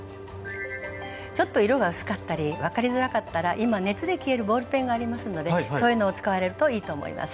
ちょっと色が薄かったり分かりづらかったら今熱で消えるボールペンがありますのでそういうのを使われるといいと思います。